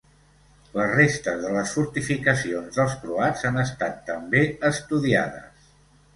Les restes de les fortificacions dels croats han estat també estudiades.